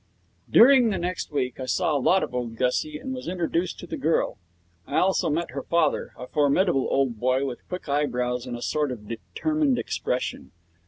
During the next week I saw a lot of old Gussie, and was introduced to the girl. I also met her father, a formidable old boy with quick eyebrows and a sort of determined expression.